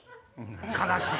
悲しい。